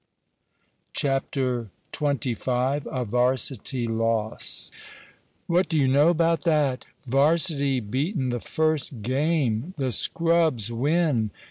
CHAPTER XXV A VARSITY LOSS "What do you know about that?" "Varsity beaten the first game!" "The scrubs win!"